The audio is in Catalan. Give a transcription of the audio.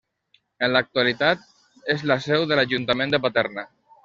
En l'actualitat és la seu de l'ajuntament de Paterna.